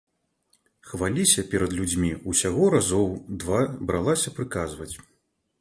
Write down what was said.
Хваліся перад людзьмі ўсяго разоў два бралася прыказваць.